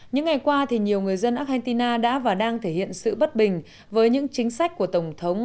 những ngày qua thì nhiều người dân argentina đã và đang thể hiện sự bất bình với những chính sách của tổng thống